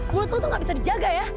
mulut lu tuh gak bisa dijaga ya